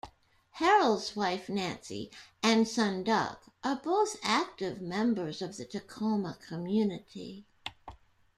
Harold's wife, Nancy, and son, Doug, are both active members of the Tacoma community.